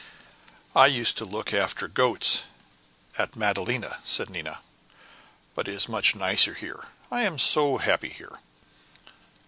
"I used to look after goats at Madalena," said Nina; "but it is much nicer here I am so happy here.